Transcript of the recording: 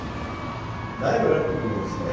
苗を選ぶ時にはですね